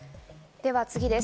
では次です。